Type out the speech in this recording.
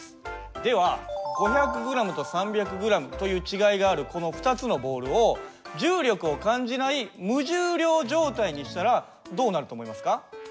では５００ｇと３００ｇという違いがあるこの２つのボールを重力を感じない無重量状態にしたらどうなると思いますか？